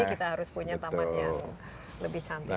kita harus punya taman yang lebih cantik